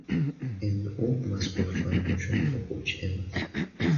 Endi u mazkur fan uchun o‘quvchi emas